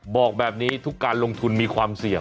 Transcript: บอกแบบนี้ทุกการลงทุนมีความเสี่ยง